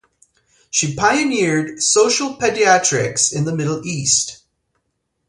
She pioneered social pediatrics in the Middle East.